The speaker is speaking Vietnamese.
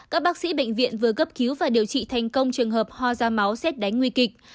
các bác sĩ bệnh viện vừa cấp cứu và điều trị thành công trường hợp ho da máu xét đánh nguy kịch